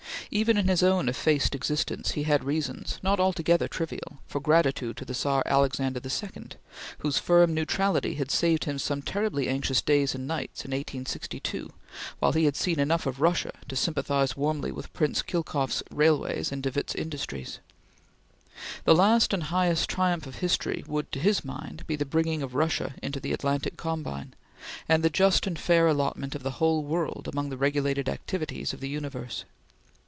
Even in his own effaced existence he had reasons, not altogether trivial, for gratitude to the Czar Alexander II, whose firm neutrality had saved him some terribly anxious days and nights in 1862; while he had seen enough of Russia to sympathize warmly with Prince Khilkoff's railways and de Witte's industries. The last and highest triumph of history would, to his mind, be the bringing of Russia into the Atlantic combine, and the just and fair allotment of the whole world among the regulated activities of the universe.